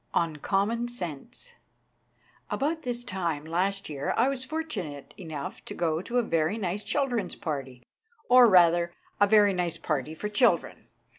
ON COMMON SENSE ABOUT this time last year I was fortunate enough to go to a very nice children's party, or, rather, a very nice party for children.